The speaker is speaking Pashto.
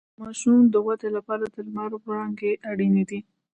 د ماشوم د ودې لپاره د لمر وړانګې اړینې دي